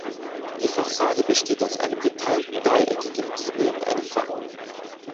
Die Fassade besteht aus einem geteilten dreieckigen Giebel und einem Wappen.